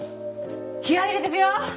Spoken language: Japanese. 気合入れてくよ！